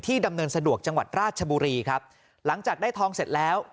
ดำเนินสะดวกจังหวัดราชบุรีครับหลังจากได้ทองเสร็จแล้ว